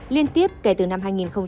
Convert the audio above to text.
liên tiếp kể từ năm hai nghìn một mươi